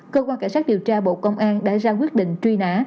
cơ quan cảnh sát điều tra bộ công an đã ra quyết định truy nã